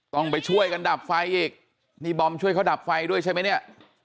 ต้องไปช่วยกันดับไฟอีกนี่บอมช่วยเขาดับไฟด้วยใช่ไหมเนี่ย